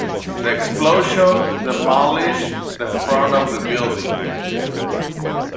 The explosion demolished the front of the building.